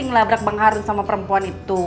ngelabrak bang harun sama perempuan itu